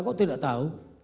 kok tidak tahu